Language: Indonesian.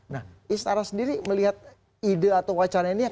nah istara sendiri melihat ide atau wacana ini kabarnya apa